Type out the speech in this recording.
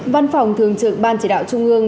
văn phòng thường trực ban chỉ đạo trung ương